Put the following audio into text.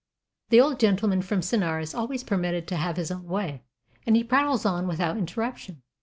The old gentleman from Sennaar is always permitted to have his own way, and he prattles on without interruption.